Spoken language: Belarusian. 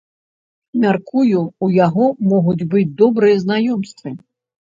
Мяркую, у яго могуць быць добрыя знаёмствы.